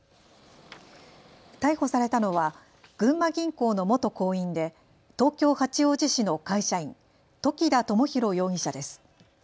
逮捕されたのは群馬銀行の元行員で東京八王子市の会社員、時田知寛容疑者です。